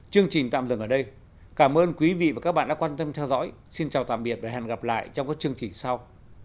chương trình tạm dừng ở đây cảm ơn quý vị và các bạn đã quan tâm theo dõi xin chào tạm biệt và hẹn gặp lại trong các chương trình sau